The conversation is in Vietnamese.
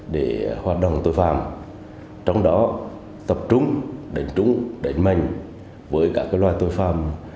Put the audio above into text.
để hoạt động tội phạm trong đó tập trung đánh trúng đánh mạnh với các loài tội phạm